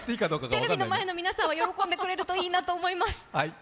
テレビの前の皆さんは喜んでくれるといいなと思います。